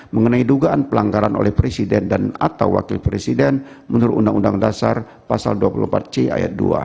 mengenai dugaan pelanggaran oleh presiden dan atau wakil presiden menurut undang undang dasar pasal dua puluh empat c ayat dua